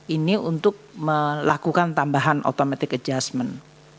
ini untuk melakukan tambahan automatic adjustment